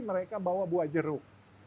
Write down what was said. mereka bawa buah jeruk